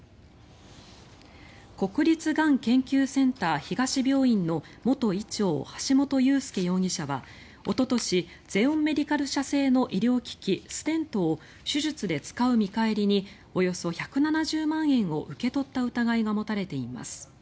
国立がん研究センター東病院の元医長橋本裕輔容疑者はおととしゼオンメディカル社製の医療機器ステントを手術で使う見返りにおよそ１７０万円を受け取った疑いが持たれています。